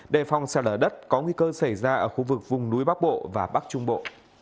đề phòng sạt lở đất có nguy cơ xảy ra ở khu vực vùng núi bắc bộ và bắc trung bộ